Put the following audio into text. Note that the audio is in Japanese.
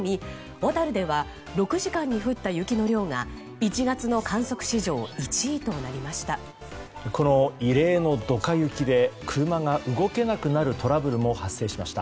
小樽では６時間に降った雪の量が１月の観測史上１位となりました。